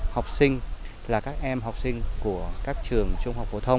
học sinh là các em học sinh trung học của các trường trung học phổ thông